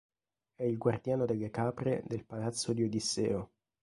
È il guardiano delle capre del palazzo di Odisseo.